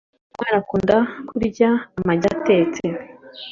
Uyumwana akunda kurya amagi atetse